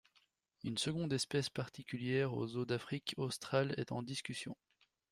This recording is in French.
Une seconde espèce particulière aux eaux d'Afrique australe est en discussion.